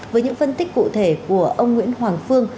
với những phân tích cụ thể của ông nguyễn hoàng phương